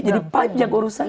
jadi panjang urusan